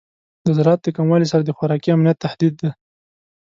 د زراعت د کموالی سره د خوراکي امنیت تهدید دی.